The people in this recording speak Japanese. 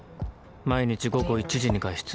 毎日午後１時に外出。